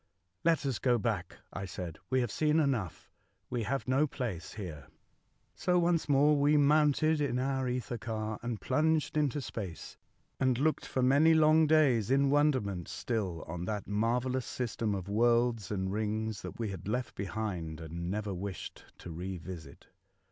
" Let us go back," I said. '^We have seen enough. We have no place here." So once more we mounted in our ether car and plunged into space, and looked for many long days in wonderment still on that marvel lous system of worlds and rings that we had left behind and never wished to re visit.